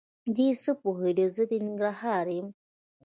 دی څه پوهېده زه د ننګرهار یم؟!